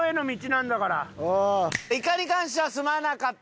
イカに関してはすまなかった。